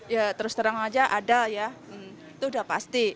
ya terus terang aja ada ya itu udah pasti